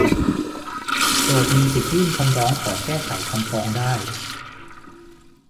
โจทก์มีสิทธิยื่นคำร้องขอแก้ไขคำฟ้องได้